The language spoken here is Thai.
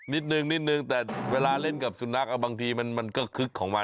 นิดนึงนิดนึงแต่เวลาเล่นกับสุนัขบางทีมันก็คึกของมัน